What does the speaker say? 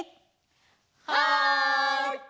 はい！